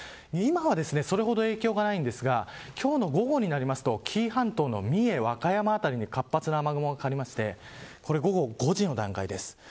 今はそれほど影響がないんですが今日の午後になると紀伊半島の三重、和歌山辺りに活発な雨雲がかかりましてこれ、午後５時の段階です。